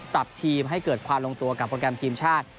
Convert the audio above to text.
ปรับทีมให้เกิดความลงตัวกับโปรแกรมทีมชาติ